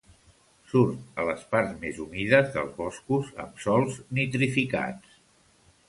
Surt a les parts més humides dels boscos amb sòls nitrificats.